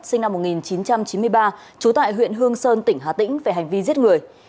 sinh năm một nghìn chín trăm chín mươi ba trú tại huyện hương sơn tỉnh hà tĩnh về hành vi giết người